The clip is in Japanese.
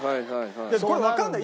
これわかんない。